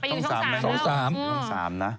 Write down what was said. อุทังศิษย์ช่อง๓นะ